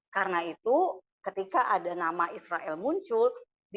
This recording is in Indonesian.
karena itu ketika ada nama israel muncul